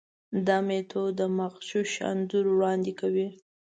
دا میتود مغشوش انځور وړاندې کوي.